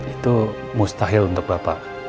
itu mustahil untuk bapak